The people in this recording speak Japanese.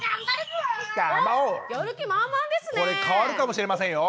これ変わるかもしれませんよ